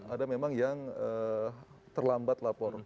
ada memang yang terlambat lapor